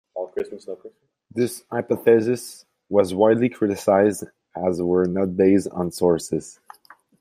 This hypothesis was widely criticized as were not based on sources.